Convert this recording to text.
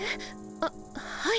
あっはい。